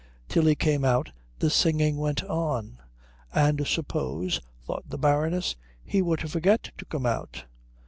Till he came out the singing went on; and suppose, thought the Baroness, he were to forget to come out?